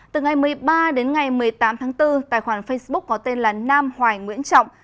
từ ngày một mươi ba đến ngày một mươi tám tháng bốn tài khoản facebook có tên là nam hoài nguyễn trọng